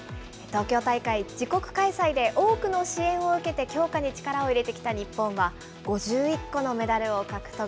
東京大会、自国開催で多くの支援を受けて、強化に力を入れてきた日本は、５１個のメダルを獲得。